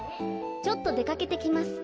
ちょっとでかけてきます。